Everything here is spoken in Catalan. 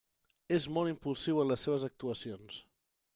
És molt impulsiu en les seves actuacions.